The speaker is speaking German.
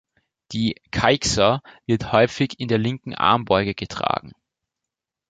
Die "caixa" wird häufig in der linken Armbeuge getragen.